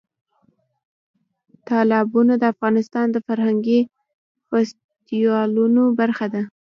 تالابونه د افغانستان د فرهنګي فستیوالونو برخه ده.